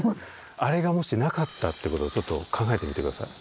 あれがもしなかったってことをちょっと考えてみて下さい。